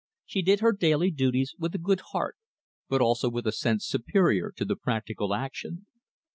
She did her daily duties with a good heart, but also with a sense superior to the practical action.